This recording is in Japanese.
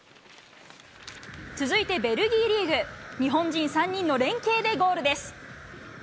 続いてベルギーリーグ。日本人３人の連係でゴールです。